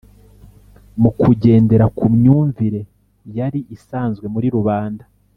mu kugendera ku myumvire yari isanzwe muri rubanda